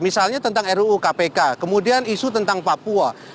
misalnya tentang ruu kpk kemudian isu tentang papua